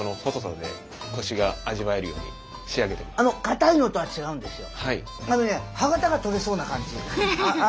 硬いのとは違うんですよ。